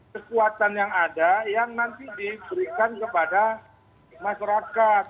kekuatan yang ada yang nanti diberikan kepada masyarakat